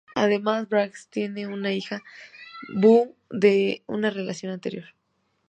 Además Bridges tiene una hija, Bo, de una relación anterior.